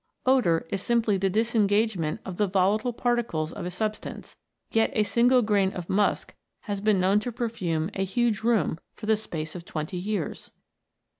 Odour is simply the disengagement of the volatile particles of a substance, yet a single grain of musk has been known to perfume a large room for the space of twenty years